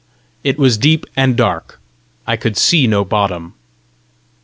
It was deep and dark; I could see no bottom.